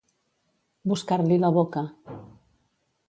Buscar-li la boca.